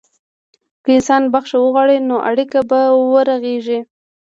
که انسان بخښنه وغواړي، نو اړیکه به ورغېږي.